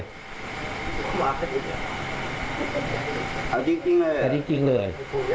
เอาจริงจริงเลยเอาจริงจริงเลย